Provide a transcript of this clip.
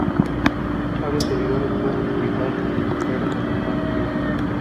Varios servidores pueden publicar punteros al mismo objeto.